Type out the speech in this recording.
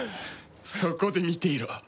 そこで見ていろ。